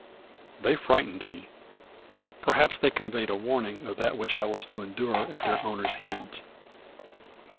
They frightened me. Perhaps they conveyed a warning of that which I was to endure at their owner's hands.